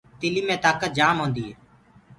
تِلينٚ مي تآڪت جآم هوندي هي۔